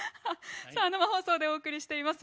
さあ生放送でお送りしています